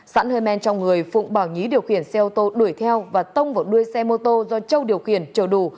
sẵn hơi men trong người phụng bảo nhí điều khiển xe ô tô đuổi theo và tông vào đuôi xe mô tô do châu điều khiển chở đủ